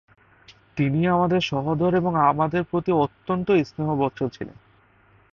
তিনি আমাদের সহোদর এবং আমাদের প্রতি অত্যন্ত স্নেহবৎসল ছিলেন ।